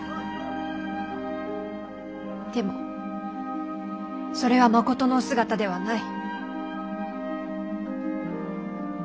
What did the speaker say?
でもそれはまことのお姿ではない。